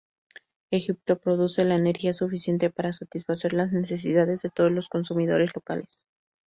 Egipto produce la energía suficiente para satisfacer las necesidades de todos los consumidores locales.